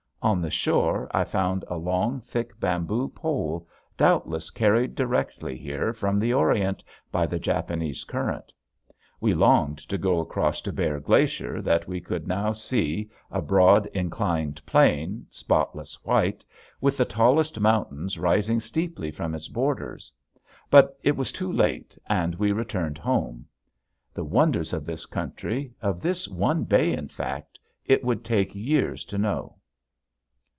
On the shore I found a long, thick bamboo pole, doubtless carried directly here from the orient by the Japanese current. We longed to go across to Bear Glacier that we could now see, a broad, inclined plane, spotless white, with the tallest mountains rising steeply from its borders. But it was too late and we returned home. The wonders of this country, of this one bay in fact, it would take years to know!